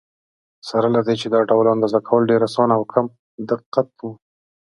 سره له دې چې دا ډول اندازه کول ډېر ساده او کم دقت و.